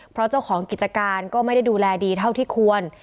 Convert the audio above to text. เพราะเจ้าของกิจการก็ไม่ได้ดูแลดีเท่าที่ควร